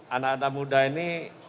anak anak muda ini